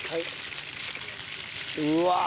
うわっ！